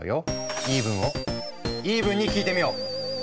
言い分をイーブンに聞いてみよう。